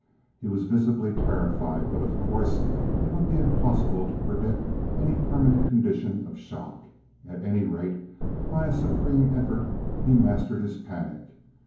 He was visibly terrified, but of course it would be impossible to predict any permanent condition of shock. At any rate, by a supreme effort he mastered his panic.